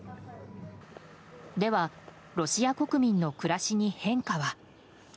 では、ロシア国民の暮らしに変化は？